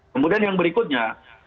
kemudian yang berikutnya